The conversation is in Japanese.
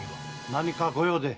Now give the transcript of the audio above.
・何か御用で？